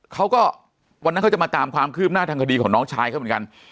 เขาก็วันนั้นเขาจะมาตามความคืบหน้าทางคดีของน้องชายเขาเหมือนกัน